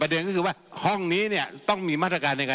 ได้มั๊ย